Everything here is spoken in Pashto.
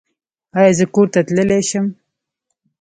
ایا زه کور ته تللی شم؟